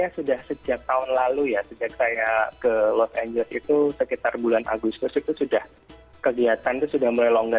saya sudah sejak tahun lalu ya sejak saya ke los angeles itu sekitar bulan agustus itu sudah kegiatan itu sudah mulai longgar